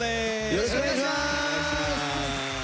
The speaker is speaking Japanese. よろしくお願いします！